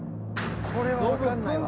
これはわかんないわ。